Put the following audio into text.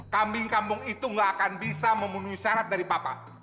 kambing kambing itu nggak akan bisa memenuhi syarat dari papa